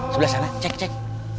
sebelah sana cek cek